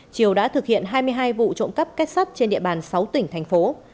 triều đã thực hiện hai mươi hai vụ trộm cắp kết sắt trên địa bàn sáu tỉnh thành phố